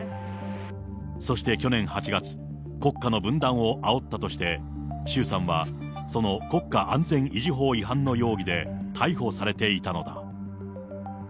そして去年８月、国家の分断をあおったとして、周さんは、その国家安全維持法違反の容疑で逮捕されていたのだ。